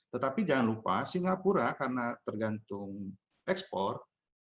tetapi jangan lupa singapura karena tergantung ekspor